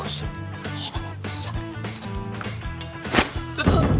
あっ！